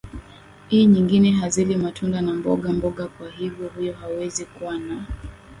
ii nyingi hazili matunda na mboga mboga kwa hivyo huyo mtu hawezi kuna na